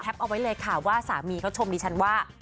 เอาไว้เลยค่ะว่าสามีเขาชมดิฉันว่า